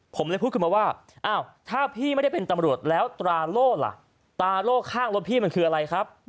ผมเลยพูดขึ้นมาว่าอ้าวถ้าพี่ไม่ได้เป็นตำรวจแล้วตราโล่ล่ะตราโล่ข้างรถพี่มันคืออะไรครับ